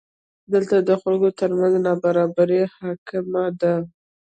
دلته د خلکو ترمنځ نابرابري حاکمه ده.